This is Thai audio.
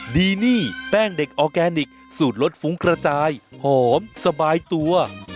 ดีนี่แป้งเด็กออร์แกนิคสูตรรสฟุ้งกระจายหอมสบายตัว